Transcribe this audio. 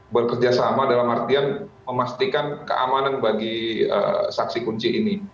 bekerjasama dalam artian memastikan keamanan bagi saksi kunci ini